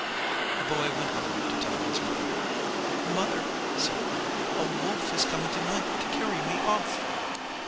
The Boy went home to tell his mother. "Mother," said he, "a Wolf is coming to night to carry me off."